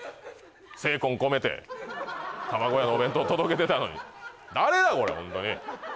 精魂込めて玉子屋がお弁当届けてたのに誰だこれホントに！